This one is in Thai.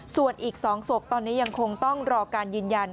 ส่วนอีก๒ศพตอนนี้ยังคงต้องรอการยืนยัน